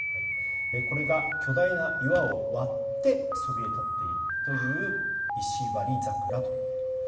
これが巨大な岩を割ってそびえ立っているという石割桜です。